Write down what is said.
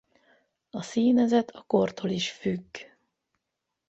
A színezet a kortól is függ.